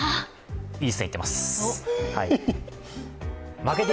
いい線いってます。